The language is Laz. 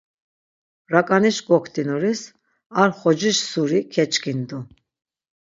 raǩaniş goktinuris ar xociş suri keçkindu.